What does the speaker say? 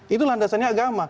itu landasannya agama